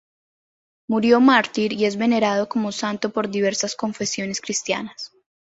Murió mártir y es venerado como santo por diversas confesiones cristianas.